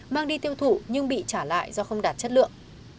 mang đi tiêu thụ nhưng bị trả lại do không đạt chất lượng